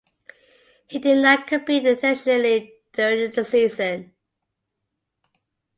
He did not compete internationally during the season.